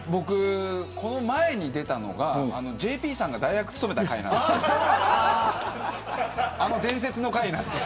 この前に出たのがＪＰさんが代役を務めた回です。